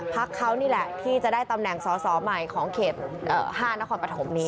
พักเขานี่แหละที่จะได้ตำแหน่งสอสอใหม่ของเขต๕นครปฐมนี้